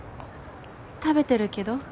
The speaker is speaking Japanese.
食べてるけど。